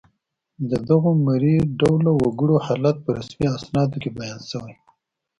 د دغو مري ډوله وګړو حالت په رسمي اسنادو کې بیان شوی